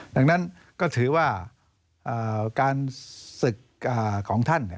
ดังนั้นก็ถือว่าการศึกของท่าน